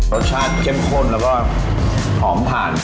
รสชาติเข้มข้นแล้วก็หอมผ่าน